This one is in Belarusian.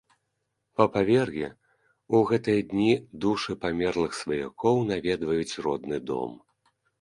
Па павер'і ў гэтыя дні душы памерлых сваякоў наведваюць родны дом.